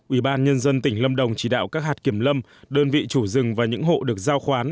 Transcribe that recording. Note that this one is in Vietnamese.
ubnd tỉnh lâm đồng chỉ đạo các hạt kiểm lâm đơn vị chủ rừng và những hộ được giao khoán